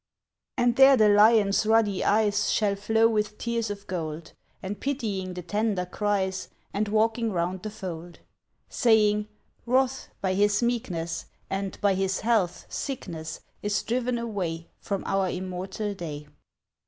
And there the lion's ruddy eyes Shall flow with tears of gold: And pitying the tender cries, And walking round the fold: Saying: 'Wrath by His meekness, And, by His health, sickness, Is driven away From our immortal day.